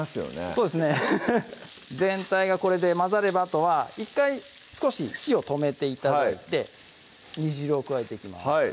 そうですねフフフッ全体がこれで混ざればあとは１回少し火を止めて頂いて煮汁を加えていきます